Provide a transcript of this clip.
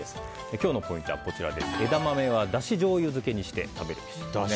今日のポイントは、枝豆はだし醤油漬けにして食べるべし。